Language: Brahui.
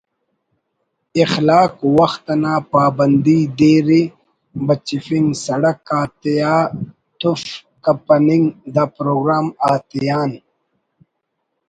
(اخلاق‘ وخت انا پابندی‘ دیر ءِ بچفنگ‘ سڑک آتیا تف کپننگ) دا پروگرام آتیا ن